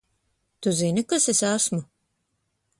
Tu zini, kas es esmu?